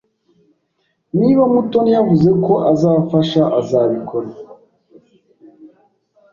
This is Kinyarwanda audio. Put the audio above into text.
Niba Mutoni yavuze ko azafasha, azabikora.